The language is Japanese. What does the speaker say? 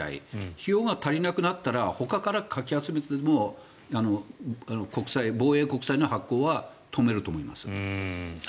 費用が足りなくなったらほかからかき集めてでも防衛国債の発行は止めると思います。